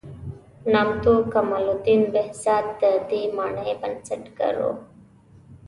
نامتو کمال الدین بهزاد د دې مانۍ بنسټګر و.